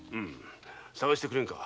捜してくれんか。